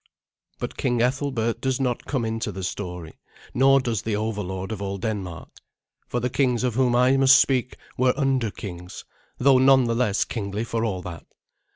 But King Ethelbert does not come into the story, nor does the overlord of all Denmark; for the kings of whom I must speak were under kings, though none the less kingly for all that.